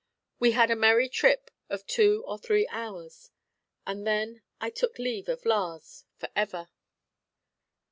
We had a merry trip of two or three hours, and then I took leave of Lars forever.